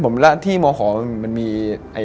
มีหอมก็มี